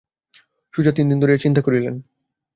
সুজা তিন দিন ধরিয়া চিন্তা করিলেন।